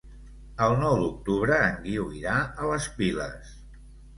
El nou d'octubre en Guiu irà a les Piles.